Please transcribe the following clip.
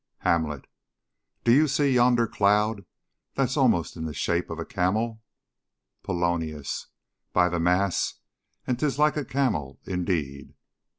Hamlet. Do you see yonder cloud that's almost in shape of a camel? Polonius. By the mass, and 'tis like a camel indeed.